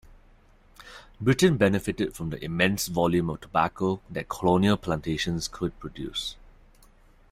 Britain benefitted from the immense volume of tobacco that colonial plantations could produce.